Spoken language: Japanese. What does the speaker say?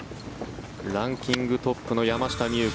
ランキングトップの山下美夢